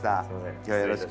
今日はよろしく。